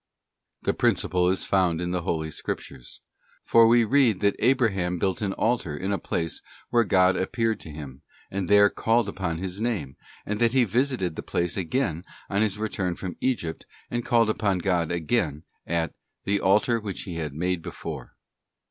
This principle is found in the Holy Scriptures, for we read that Abraham built an altar in the place where God appeared to him, and there called upon His name, and that he visited the place again on his return from Egypt, and called upon God again at ' the altar which he had made before.